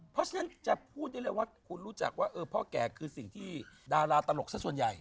เพราะฉะนั้นจะพูดได้เลยว่าคุณรู้จักว่าพ่อแก่คือสิ่งที่ดาราตลกสักส่วนใหญ่